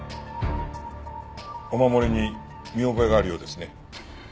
お守りに見覚えがあるようですね。